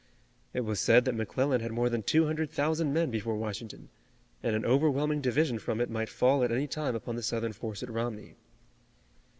It was said that McClellan had more than two hundred thousand men before Washington, and an overwhelming division from it might fall at any time upon the Southern force at Romney.